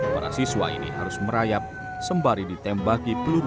para siswa ini harus merayap sembari ditembaki peluru